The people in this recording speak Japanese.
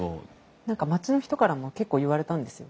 何か町の人からも結構言われたんですよ。